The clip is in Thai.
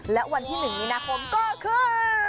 และวันที่๑มีนาคมก็คือ